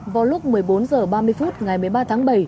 vào lúc một mươi bốn h ba mươi phút ngày một mươi ba tháng bảy